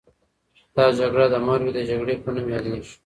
دا جګړه د مروې د جګړې په نوم یادیږي.